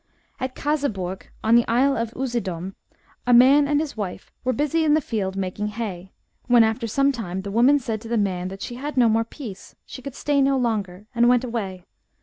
At Caseburg, on the isle of Usedom, a man and his wife were busy in the field making hay, when after some time the woman said to the man that she had no more peace, she could stay no longer, and went away.